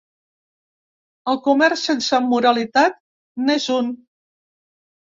El comerç sense moralitat n’és un.